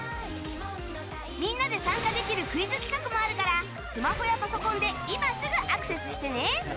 みんなで参加できるクイズ企画もあるからスマホやパソコンで今すぐアクセスしてね。